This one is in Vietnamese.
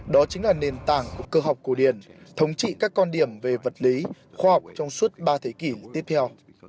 đó chính là nền tảng cơ học cổ điển thống trị các quan điểm về vật lý khoa học trong suốt ba thế kỷ tiếp theo